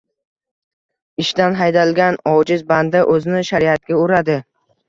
Ishdan haydalgan ojiz banda — o‘zini shariatga uradi.